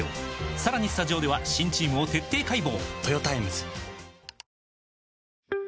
さらにスタジオでは新チームを徹底解剖！